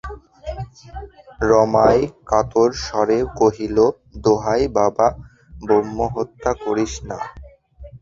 রমাই কাতর স্বরে কহিল, দোহাই বাবা, ব্রহ্মহত্যা করিস না।